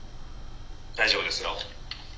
「大丈夫ですよ」。